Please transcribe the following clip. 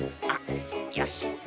あっよし！